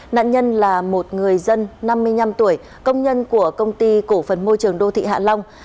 nạn nhân là một người dân năm mươi năm tuổi công nhân của công ty cổ phần môi trường đô thị hạ long